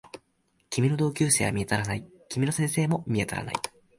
君の同級生は見当たらない。君の先生も見当たらない